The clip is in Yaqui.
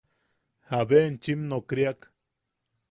¿Jabe enchim nokriak?